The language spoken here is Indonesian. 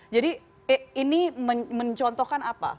jadi ini mencontohkan apa